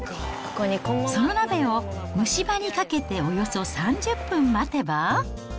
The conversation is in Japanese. その鍋を蒸し場にかけておよそ３０分待てば。